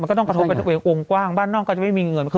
ก็ต้องกระทบกับตัวเองวงกว้างบ้านนอกก็จะไม่มีเงิน